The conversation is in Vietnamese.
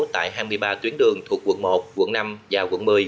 tại hai mươi ba tuyến đường thuộc quận một quận năm và quận một mươi